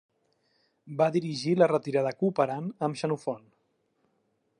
Va dirigir la retirada cooperant amb Xenofont.